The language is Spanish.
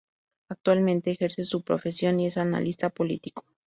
Actualmente ejerce su profesión y es analista político.